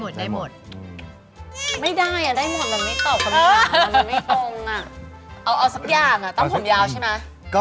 ได้หมดได้หมด